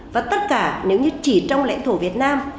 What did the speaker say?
và tất cả nếu như chỉ trong lãnh thổ việt nam